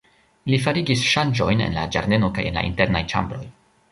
Ili farigis ŝanĝojn en la ĝardeno kaj en la internaj ĉambroj.